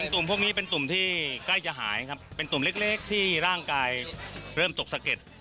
ตุ่มพวกนี้เป็นตุ่มที่ใกล้จะหายครับเป็นตุ่มเล็กที่ร่างกายเริ่มตกสะเก็ด